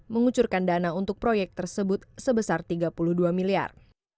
mengucurkan dana untuk proyek tersebut sebesar tiga puluh dua miliar